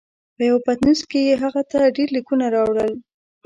په یوه پتنوس کې یې هغه ته ډېر لیکونه راوړل.